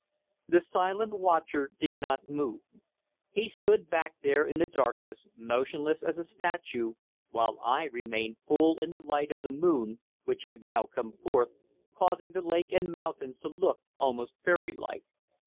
The silent watcher did not move. He stood back there in the darkness, motionless as a statue, while I remained full in the light of the moon, which had now come forth, causing the lake and mountains to look almost fairy like.